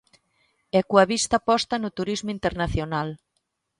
E coa vista posta no turismo internacional.